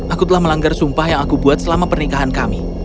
aku telah melanggar sumpah yang aku buat selama pernikahan kami